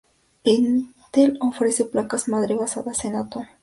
Intel ofrece placas madre basadas en Atom.